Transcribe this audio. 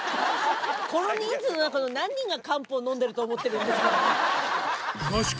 この人数の中の何人が漢方飲んでると思ってるんですか。